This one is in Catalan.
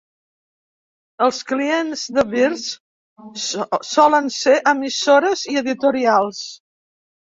Els clients de Vizrt solen ser emissores i editorials.